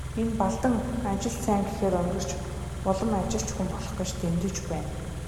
Энэ Балдан ажилд сайн гэхээр онгирч, улам ажилч хүн болох гэж дэндэж байна.